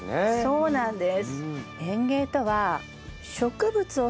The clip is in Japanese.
そうなんです。